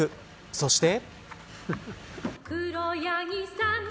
そして。